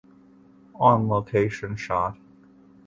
On location shot.